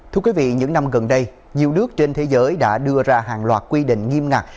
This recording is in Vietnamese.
thưa quý vị những năm gần đây nhiều nước trên thế giới đã đưa ra hàng loạt quy định nghiêm ngặt